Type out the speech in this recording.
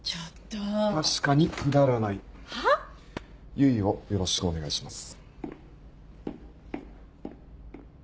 唯をよろしくお願いします。